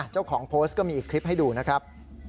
เจ้าของโพสต์ก็มีอีกคลิปให้ดูนะครับ